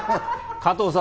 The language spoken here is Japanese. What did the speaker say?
加藤さん？